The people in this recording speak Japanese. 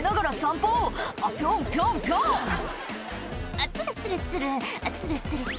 「あツルツルツルあツルツルツル」